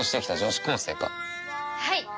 はい！